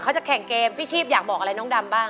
ถามอยู่